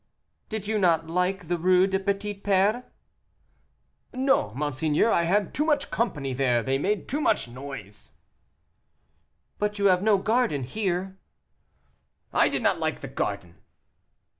"Did you not like the Rue des Petits Pères?" "No, monseigneur; I had too much company there they made too much noise." "But you have no garden here." "I did not like the garden."